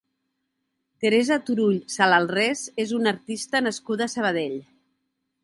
Teresa Turull Salalrès és una artista nascuda a Sabadell.